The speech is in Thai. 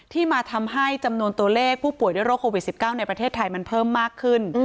มาทำให้จำนวนตัวเลขผู้ป่วยด้วยโรคโควิด๑๙ในประเทศไทยมันเพิ่มมากขึ้น